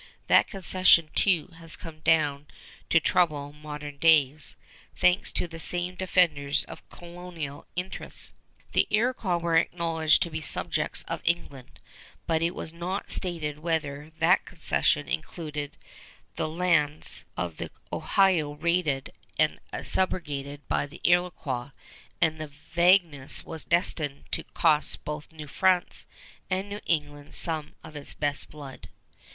That concession, too, has come down to trouble modern days, thanks to the same defenders of colonial interests. The Iroquois were acknowledged to be subjects of England, but it was not stated whether that concession included the lands of the Ohio raided and subjugated by the Iroquois; and that vagueness was destined to cost both New France and New England some of its best blood.